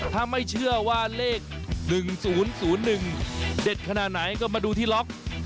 ถ้าไม่เชื่อว่าเลข๑๐๐๑เด็ดขนาดไหนก็มาดูที่ล็อก